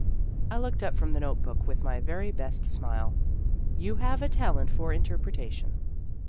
I looked up from the note book with my very best smile. " You have a talent for interpretation."